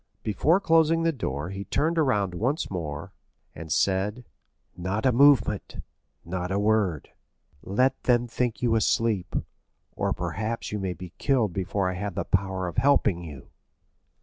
Before closing the door he turned around once more, and said, "Not a movement—not a word; let them think you asleep, or perhaps you may be killed before I have the power of helping you."